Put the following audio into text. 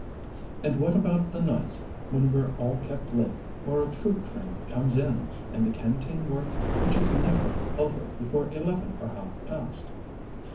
"And what about the nights when we're all kept late, or a troop train comes in, and the Canteen work, which is never over before eleven or half past?"